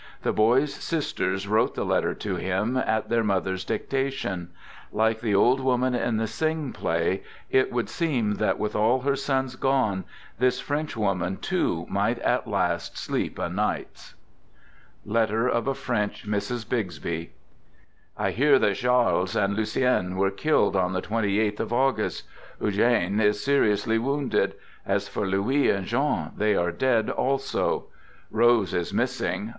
The boy's sisters wrote the letter to him, at their mother's dictation. Like the old woman in the Synge play, it would seem that with all her sons gone this French mother too might at last sleep o' nights. {Letter of a French Mrs. Bixby) I hear that Charles and Lucien were killed on ! the twenty eighth of August. Eugene is seriously wounded. As for Louis and John, they are dead * also. Rose is missing.